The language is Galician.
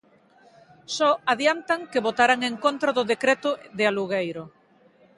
Só adiantan que votarán en contra do decreto de alugueiro.